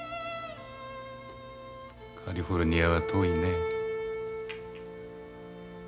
カリフォルニアは遠いね。